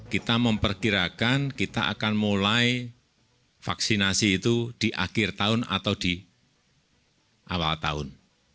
kita memperkirakan kita akan mulai vaksinasi itu di akhir tahun atau di awal tahun